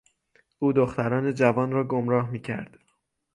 او دختران جوان را گمراه میکرد.